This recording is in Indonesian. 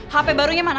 hp barunya mana